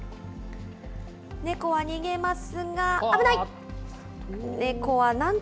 ネコは逃げますが、危ない！